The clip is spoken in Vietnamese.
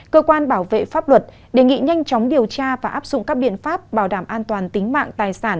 cơ quan bảo vệ pháp luật đề nghị nhanh chóng điều tra và áp dụng các biện pháp bảo đảm an toàn tính mạng tài sản